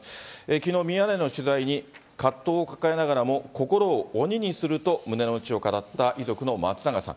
きのう、ミヤネ屋の取材に葛藤を抱えながらも心を鬼にすると胸の内を語った、遺族の松永さん。